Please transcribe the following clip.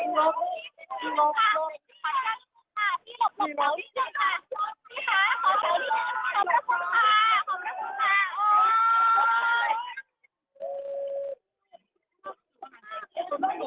มีการยกมือชวนชีวิตนะคะ